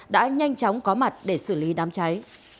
đã nhanh chóng có mặt để xử lý đám cháy